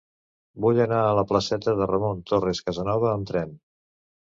Vull anar a la placeta de Ramon Torres Casanova amb tren.